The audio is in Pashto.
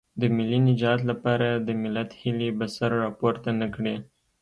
د ملي نجات لپاره د ملت هیلې به سر راپورته نه کړي.